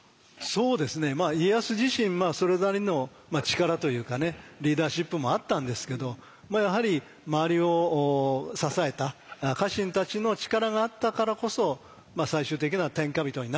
そうですね家康自身それなりの力というかねリーダーシップもあったんですけどやはり周りを支えた家臣たちの力があったからこそ最終的には天下人になれた。